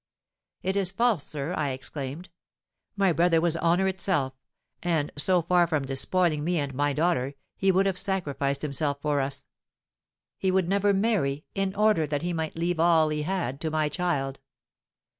'It is false, sir!' I exclaimed. 'My brother was honour itself, and, so far from despoiling me and my daughter, he would have sacrificed himself for us. He would never marry, in order that he might leave all he had to my child.'